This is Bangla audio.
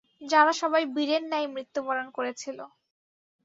যারা সবাই বীরের ন্যায় মৃত্যুবরণ করেছিল।